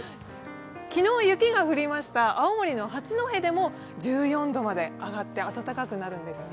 昨日、雪が降りました青森の八戸でも１４度まで上がって暖かくなるんですね。